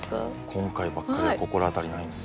今回ばっかりは心当たりないんですよ。